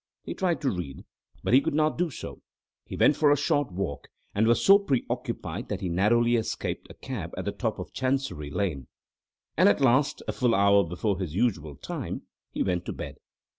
He tried to read, but he could not do so; he went for a short walk, and was so preoccupied that he narrowly escaped a cab at the top of Chancery Lane; and at last—a full hour before his usual time—he went to bed.